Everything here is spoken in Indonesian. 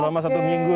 selama satu minggu ya